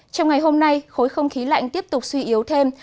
trong ngày hôm nay khối không khí lạnh tiếp tục suy yếu thêm